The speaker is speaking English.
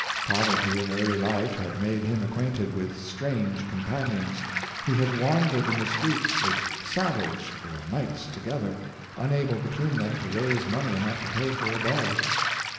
Pov erty in early life had made him acquainted with strange companions. He had wandered in the streets with Sav age for nights together, unable between them to raise money enough to pay for a bed.